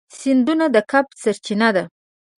سیندونه د کب سرچینه ده.